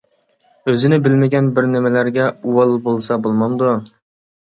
ئۆزىنى بىلمىگەن بىر نېمىلەرگە ئۇۋال بولسا بولمامدۇ!